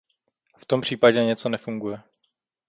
V tom případě něco nefunguje.